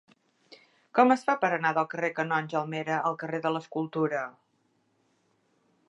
Com es fa per anar del carrer del Canonge Almera al carrer de l'Escultura?